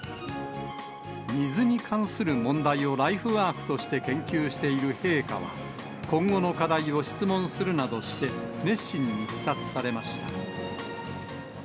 水に関する問題をライフワークとして研究している陛下は、今後の課題を質問するなどして、熱心に視察されました。